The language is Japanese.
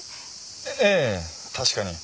えっええ確かに。